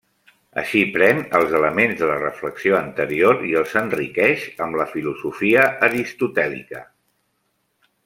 Així pren els elements de la reflexió anterior i els enriqueix amb la filosofia aristotèlica.